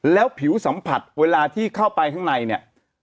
แล้วผิวสัมผัสเวลาที่เข้าไปข้างในเนี่ย